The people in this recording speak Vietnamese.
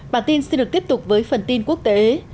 bản tin sẽ được tiếp tục với phần tin quốc tế